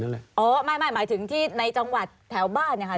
อ๋อหมายถึงที่ในจังหวัดแถวบ้าน